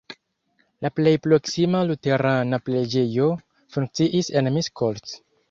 La plej proksima luterana preĝejo funkciis en Miskolc.